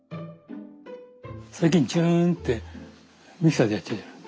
最近チューンってミキサーでやっちゃうじゃない。